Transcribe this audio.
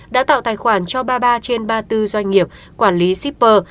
đã tạo tài khoản cho ba mươi ba trên ba mươi bốn doanh nghiệp quản lý shipper